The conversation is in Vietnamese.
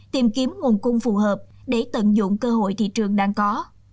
tìm kiếm nguồn cung phù hợp để tận dụng cơ hội thị trường đang có